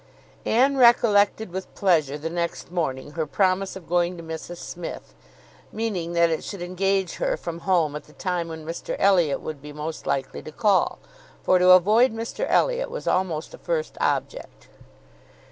Anne recollected with pleasure the next morning her promise of going to Mrs Smith, meaning that it should engage her from home at the time when Mr Elliot would be most likely to call; for to avoid Mr Elliot was almost a first object.